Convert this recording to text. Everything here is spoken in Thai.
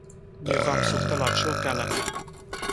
มีความสุขตลอดชั่วกาลนาน